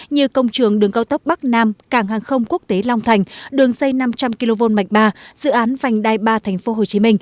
như công trường đường cao tốc bắc nam cảng hàng không quốc tế long thành đường xây năm trăm linh kv mạch ba dự án vành đai ba tp hcm